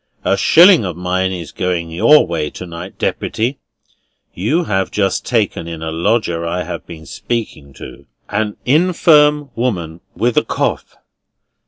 A shilling of mine is going your way to night, Deputy. You have just taken in a lodger I have been speaking to; an infirm woman with a cough."